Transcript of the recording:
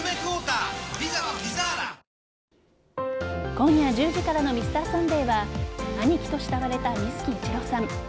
今夜１０時からの「Ｍｒ．サンデー」は兄貴と慕われた水木一郎さん。